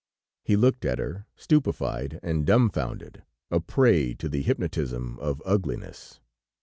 He looked at her, stupefied and dumbfounded, a prey to the hypnotism of ugliness.